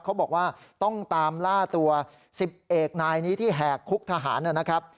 เขาบอกว่าต้องตามล่าตัว๑๐เอกนายนี้ที่แหกคุกทหารนะครับ